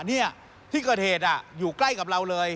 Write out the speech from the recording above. เนี่ยที่กระเทศอยู่ใกล้กับเราเลย